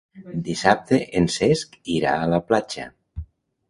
Dissabte en Cesc irà a la platja.